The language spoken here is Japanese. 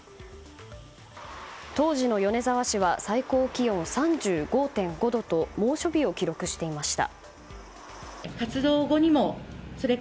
当時の米沢市は最高気温３５．５度と猛暑日を記録していました。